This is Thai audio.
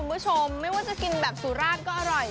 คุณผู้ชมไม่ว่าจะกินแบบสุราชก็อร่อย